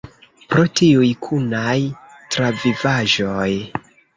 Pro tiuj kunaj travivaĵoj.